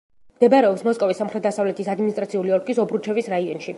მდებარეობს მოსკოვის სამხრეთ-დასავლეთის ადმინისტრაციული ოლქის ობრუჩევის რაიონში.